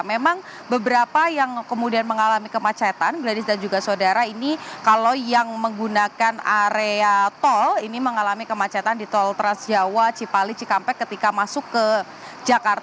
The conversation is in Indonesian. memang beberapa yang kemudian mengalami kemacetan gladis dan juga saudara ini kalau yang menggunakan area tol ini mengalami kemacetan di tol transjawa cipali cikampek ketika masuk ke jakarta